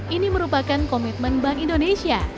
ini merupakan komitmen bank indonesia